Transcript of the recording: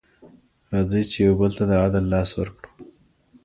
راځئ چي یو بل ته د عدل لاس ورکړو.